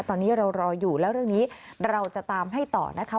ตอนนี้เรารออยู่แล้วเรื่องนี้เราจะตามให้ต่อนะคะ